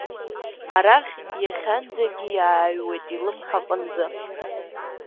Арахь иахьанӡагьы иааҩуеит илымҳа аҟынӡа.